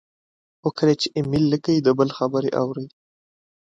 خو کله چې ایمیل لیکئ، د بل خبرې اورئ،